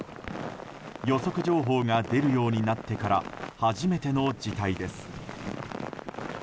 予測情報が出るようになってから初めての事態です。